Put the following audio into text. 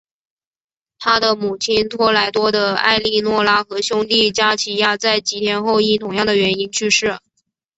他的母亲托莱多的埃利诺拉和兄弟加齐亚在几天后因同样的原因去世。